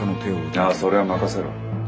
「ああそれは任せろ。